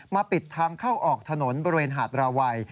ปิดทางเข้าออกถนนบริเวณหาดราวัย